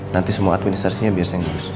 nanti semua administrasinya biar saya ngurus